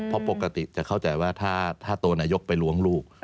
เพราะปกติจะเข้าใจว่าถ้าตัวนายกไปล้วงลูก